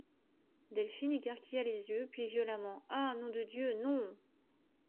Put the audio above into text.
Delphin écarquilla les yeux ; puis, violemment: — Ah! nom de Dieu, non !